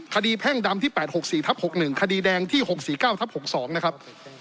แพ่งดำที่๘๖๔ทับ๖๑คดีแดงที่๖๔๙ทับ๖๒นะครับ